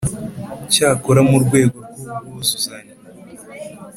Cyakora mu rwego rw ubwuzuzanye